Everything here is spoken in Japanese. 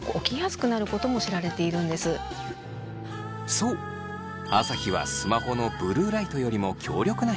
そう朝日はスマホのブルーライトよりも強力な光です。